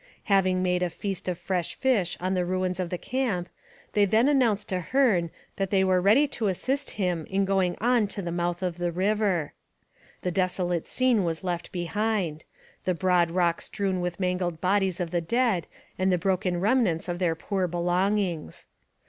Having made a feast of fresh fish on the ruins of the camp, they then announced to Hearne that they were ready to assist him in going on to the mouth of the river. The desolate scene was left behind the broad rock strewn with mangled bodies of the dead and the broken remnants of their poor belongings.